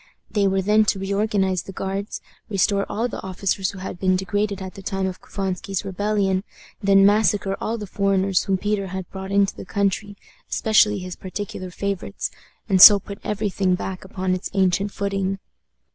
They were then to reorganize the Guards, restore all the officers who had been degraded at the time of Couvansky's rebellion, then massacre all the foreigners whom Peter had brought into the country, especially his particular favorites, and so put every thing back upon its ancient footing.